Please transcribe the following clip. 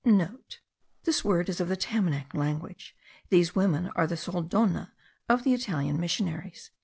(* This word is of the Tamanac language; these women are the sole Donne of the Italian missionaries.)